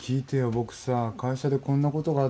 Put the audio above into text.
僕さ会社でこんなことがあってさ